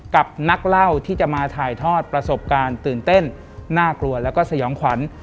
กับนักเล่าที่จะมาถ่ายทอดประสบการณ์ตื่นเต้นน่ากลัวแล้วก็สยองขวัญ